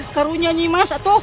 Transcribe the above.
karunya nyi mas atuh